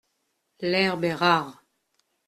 L'herbe est rare.